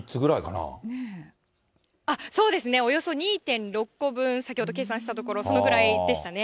そうですね、およそ２．６個分、先ほど計算したところ、そのぐらいでしたね。